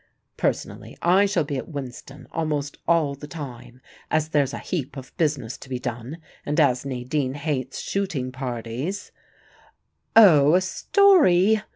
Personally, I shall be at Winston almost all the time, as there's a heap of business to be done, and as Nadine hates shooting parties " "Oh, a story!"